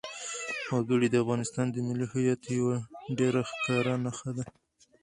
وګړي د افغانستان د ملي هویت یوه ډېره ښکاره نښه ده.